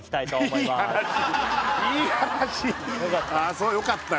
そうよかったよ